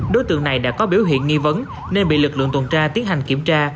đối tượng này đã có biểu hiện nghi vấn nên bị lực lượng tuần tra tiến hành kiểm tra